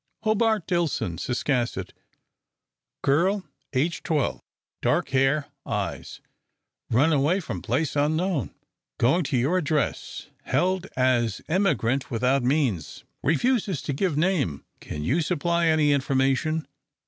"Hobart Dillson, Ciscasset. Girl, age about twelve. Dark hair, eyes run away from place unknown. Going to your address. Held as immigrant without means. Refuses to give name. Can you supply any information?